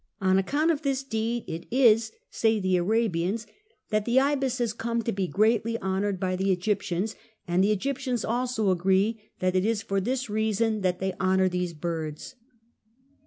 On account of this deed it is (say the Arabians) that the ibis has come to be greatly honoured by the Egyptians, and the Egyptians also agree that it is for this reason that they honour these birds.